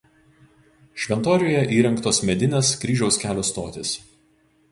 Šventoriuje įrengtos medinės Kryžiaus kelio stotys.